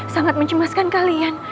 sangat mencemaskan kalian